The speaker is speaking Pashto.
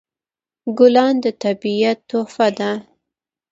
ګلان د طبیعت تحفه ده.